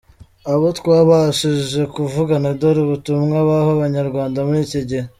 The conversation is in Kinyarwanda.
Abo twabashije kuvugana dore ubutumwa baha abanyarwanda muri iki gihe :